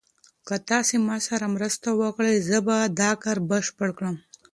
که تاسي ما سره مرسته وکړئ زه به دا کار بشپړ کړم.